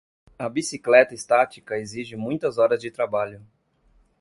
A bicicleta estática exige muitas horas de trabalho.